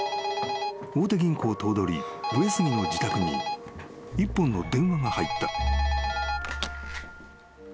大手銀行頭取上杉の自宅に一本の電話が入った］